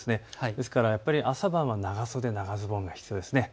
ですから朝晩は長袖、長ズボンが必要です。